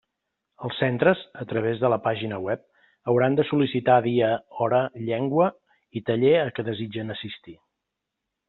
Els centres, a través de la pàgina web, hauran de sol·licitar dia, hora, llengua i taller a què desitgen assistir.